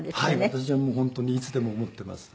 私はもう本当にいつでも思っています。